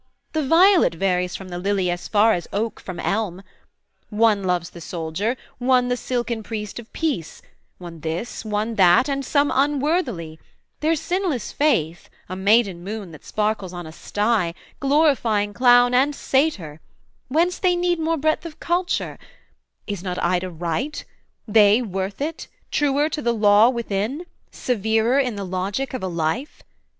The violet varies from the lily as far As oak from elm: one loves the soldier, one The silken priest of peace, one this, one that, And some unworthily; their sinless faith, A maiden moon that sparkles on a sty, Glorifying clown and satyr; whence they need More breadth of culture: is not Ida right? They worth it? truer to the law within? Severer in the logic of a life?